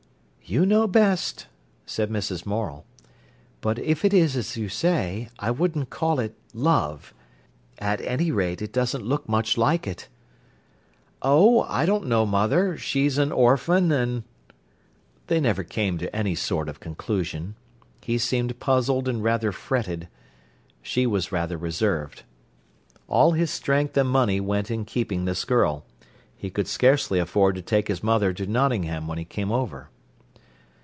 "You know best," said Mrs. Morel. "But if it is as you say, I wouldn't call it love—at any rate, it doesn't look much like it." "Oh, I don't know, mother. She's an orphan, and—" They never came to any sort of conclusion. He seemed puzzled and rather fretted. She was rather reserved. All his strength and money went in keeping this girl. He could scarcely afford to take his mother to Nottingham when he came over.